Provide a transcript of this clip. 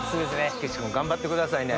岸君頑張ってくださいね。